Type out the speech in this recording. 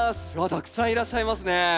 たくさんいらっしゃいますね。